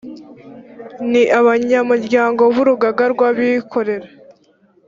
ni abanyamuryango b’urugaga rw’abikorera